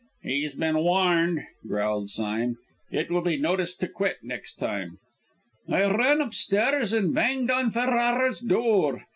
"He's been warned," growled Sime. "It will be notice to quit next time." "I ran upstairs and banged on Ferrara's door.